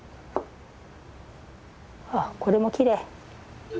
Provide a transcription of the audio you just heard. あっこれもきれい。